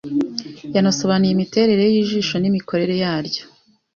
Yanasobanuye imiterere y’ijisho n’imikorere yaryo.